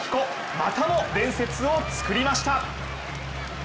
またも伝説を作りました。